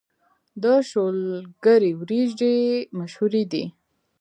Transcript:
د شولګرې وريجې مشهورې دي